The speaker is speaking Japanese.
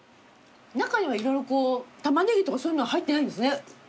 中には色々こうタマネギとかそういうのは入ってないんですね。